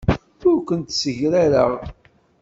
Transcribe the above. Ur kent-ssegrareɣ.